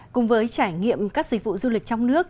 cùng với trải nghiệm các dịch vụ du lịch trong nước